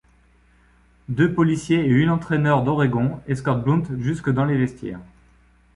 Deux policiers et une entraîneur d'Oregon escorte Blount jusque dans les vestiaires.